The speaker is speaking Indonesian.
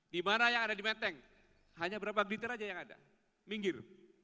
di mana yang ada di menteng hanya berapa gliter saja yang ada minggir